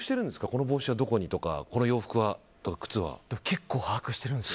この帽子はどこにとかこの洋服はとか靴とか。